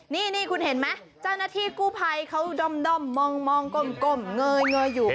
นี่คุณเห็นไหมเจ้าหน้าที่กู้ภัยเขาด้อมมองก้มเงยอยู่